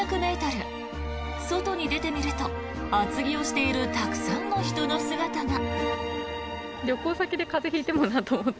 外に出てみると、厚着をしているたくさんの人の姿が。